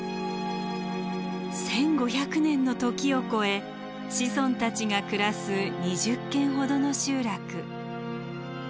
１，５００年の時を超え子孫たちが暮らす２０軒ほどの集落。